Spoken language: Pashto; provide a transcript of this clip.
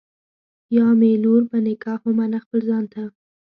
یا مي لور په نکاح ومنه خپل ځان ته